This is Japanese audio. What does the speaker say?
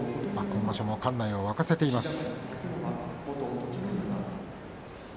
今場所も館内を沸かせています。